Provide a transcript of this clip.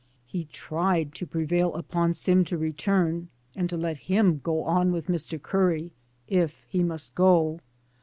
He tried to prevail upon Sim to return, and let him go on with Mr. Curry if he must go.